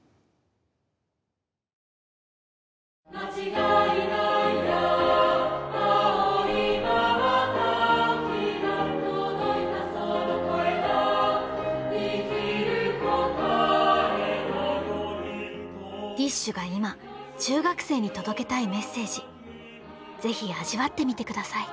ＤＩＳＨ／／が今中学生に届けたいメッセージ是非味わってみて下さい。